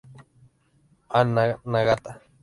Anna Nagata